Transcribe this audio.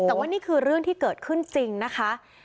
แต่ว่านี่คือเรื่องที่เกิดขึ้นจริงนะคะ